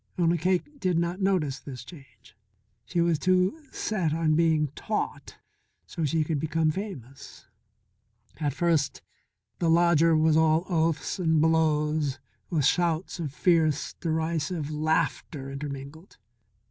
Only Cake did not notice this change. She was too set on being taught so she could become famous. At first the lodger was all oaths and blows with shouts of fierce, derisive laughter intermingled.